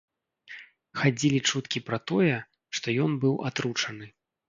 Хадзілі чуткі пра тое, што ён быў атручаны.